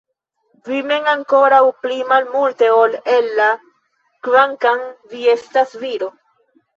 Vi mem ankoraŭ pli malmulte ol Ella kvankam vi estas viro!